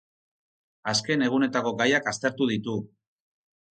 Azken egunetako gaiak aztertu ditu.